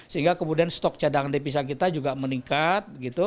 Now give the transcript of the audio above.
sehingga kemudian stok cadangan di pisang kita juga meningkat